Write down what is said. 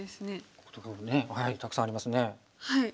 こことかねたくさんありますね。